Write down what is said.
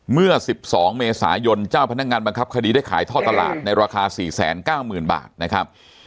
เมื่อ๑๒เมษายนเจ้าพนักงานบังคับคดีได้ขายท่อตลาดในราคา๔๙๐๐๐บาทนะครับ